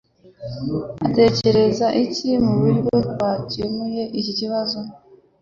atekereza iki muburyo twakemuye iki kibazo